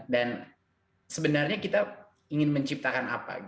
dan sebenarnya kita ingin menciptakan apa